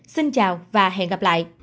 xin chào và hẹn gặp lại